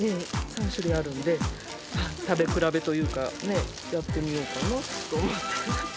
３種類あるんで、食べ比べというか、やってみようかなと思って。